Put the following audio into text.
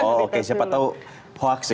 oh oke siapa tahu hoax ya